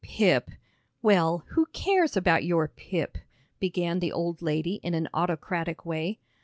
"Pip! Well, who cares about your Pip?" began the old lady in an autocratic way.